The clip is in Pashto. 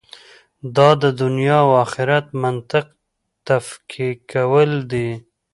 دا د دنیا او آخرت منطق تفکیکول دي.